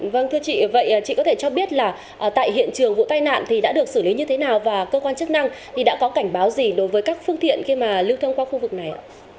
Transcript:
vâng thưa chị vậy chị có thể cho biết là tại hiện trường vụ tai nạn thì đã được xử lý như thế nào và cơ quan chức năng thì đã có cảnh báo gì đối với các phương tiện khi mà lưu thông qua khu vực này ạ